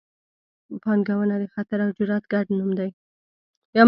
پانګونه د خطر او جرات ګډ نوم دی.